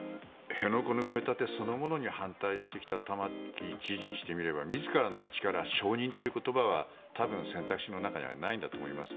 辺野古の埋め立てそのものに反対してきた玉城知事にしてみれば自らの口から承認という言葉は多分、選択肢の中にはないんだと思います。